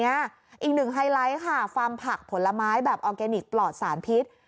อีกหนึ่งไฮไลท์ค่ะฟาร์มผักผลไม้แบบออร์แกนิคปลอดสารพิษ